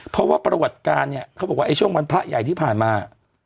เพราะว่าประวัติการเนี่ยเขาบอกว่าไอ้ช่วงวันพระใหญ่ที่ผ่านมา